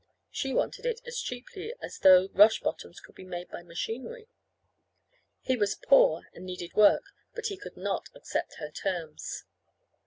She wanted it as cheaply as though rush bottoms could be made by machinery. He was poor and needed work but he could not accept her terms.